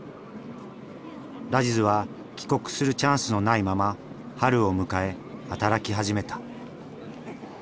ラジズは帰国するチャンスのないまま春を迎え働き始めた。